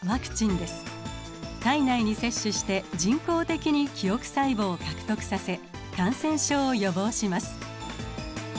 体内に接種して人工的に記憶細胞を獲得させ感染症を予防します。